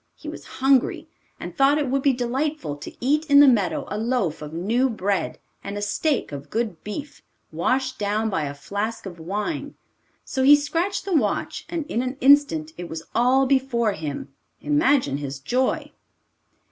He was hungry, and thought it would be delightful to eat in the meadow a loaf of new bread and a steak of good beef washed down by a flask of wine, so he scratched the watch, and in an instant it was all before him. Imagine his joy!